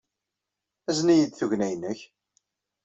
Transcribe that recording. Azen-iyi-d tugna-nnek.